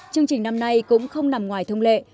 chương trình năm nay cũng không nằm ngoài thông lệ